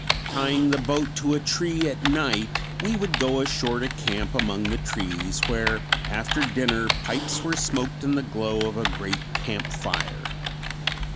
Tying the boat to a tree at night we would go ashore to camp among the trees where after dinner pipes were smoked in the glow of a great camp fire.